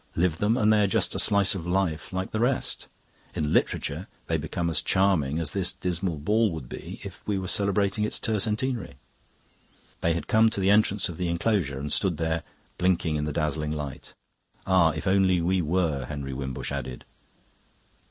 Live them, and they are just a slice of life like the rest. In literature they become as charming as this dismal ball would be if we were celebrating its tercentenary." They had come to the entrance of the enclosure and stood there, blinking in the dazzling light. "Ah, if only we were!" Henry Wimbush added.